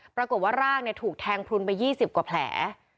ปรากฏว่าร่างถูกแทงพลุนไป๒๐กว่าแผล